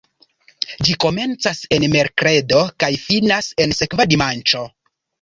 Ĝi komencas en merkredo kaj finas en sekva dimanĉo.